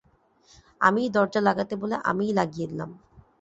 আমিই দরজা লাগাতে বলে আমিই লাগিয়ে দিলাম।